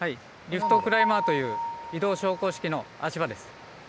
リフトクライマーという移動昇降式の足場です。